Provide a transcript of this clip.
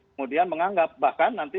kemudian menganggap bahkan nanti